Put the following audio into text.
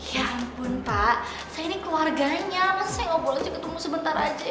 ya ampun pak saya ini keluarganya masa saya gak boleh saja ketemu sebentar aja